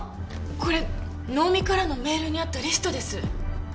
これ能見からのメールにあったリストです！